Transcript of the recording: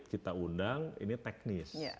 kita undang ini teknis